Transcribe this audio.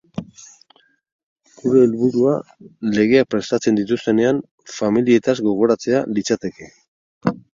Gure helburua, legeak prestatzen dituztenean, familietaz gogoratzea litzateke.